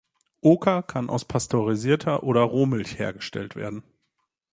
Oka kann aus pasteurisierter oder Rohmilch hergestellt werden.